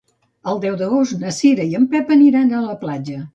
El deu d'agost na Cira i en Pep aniran a la platja.